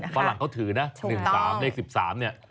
ฝรั่งเขาถือนะ๑๓เลข๑๓เนี่ย